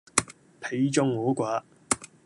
彼眾我寡